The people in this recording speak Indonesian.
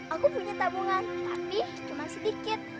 aku punya tabungan tapi cuma sedikit